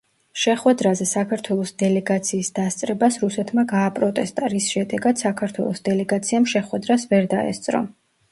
შეხვედრაზე საქართველოს დელეგაციის დასწრებას რუსეთმა გააპროტესტა, რის შედეგად, საქართველოს დელეგაციამ შეხვედრას ვერ დაესწრო.